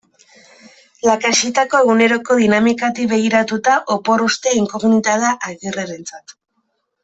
Lakaxitako eguneroko dinamikatik begiratuta, opor ostea inkognita da Agirrerentzat.